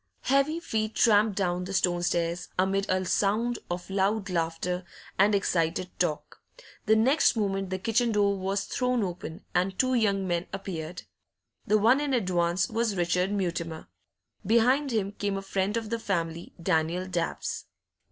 Heavy feet tramped down the stone stairs, amid a sound of loud laughter and excited talk. The next moment the kitchen door was thrown open, and two young men appeared. The one in advance was Richard Mutimer; behind him came a friend of the family, Daniel Dabbs.